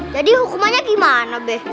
jadi hukumannya gimana be